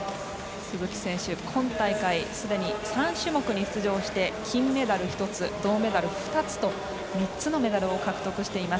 鈴木選手、今大会すでに３種目に出場して金メダル１つ、銅メダル２つと３つのメダルを獲得しています。